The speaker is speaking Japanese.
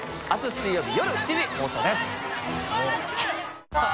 △洪緲貌よる７時放送です。